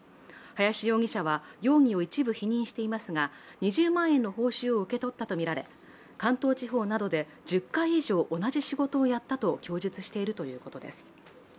林容疑者は、容疑を一部否認していますが２０万円の報酬を受け取ったとみられ、関東地方などで１０回以上同じ仕事をやったと供述しているということです。